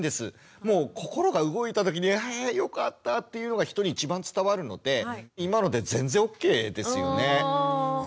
もう心が動いた時に「あよかった」っていうのが人に一番伝わるので今ので全然ＯＫですよね。ということで遠藤さん。